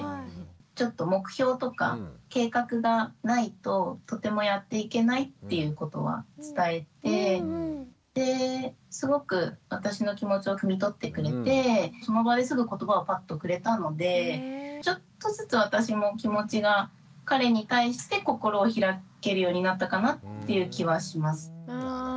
ちょっと目標とか計画がないととてもやっていけないっていうことは伝えてですごく私の気持ちをくみ取ってくれてその場ですぐ言葉をパッとくれたのでちょっとずつ私も気持ちが彼に対して心を開けるようになったかなっていう気はします。